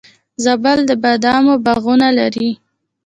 زابل د بادامو باغونه لري